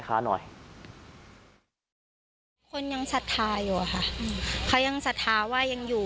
ก็ปกติค่ะก็ยังสะท้าอยู่